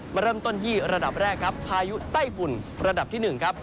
มาเริ่มต้นที่ระดับแรกครับพายุไต้ฝุ่นระดับที่๑ครับ